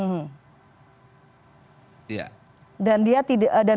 dan dia tidak dan rusia tidak akan mengejar